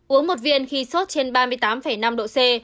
uống một viên khi sốt trên ba mươi tám năm độ c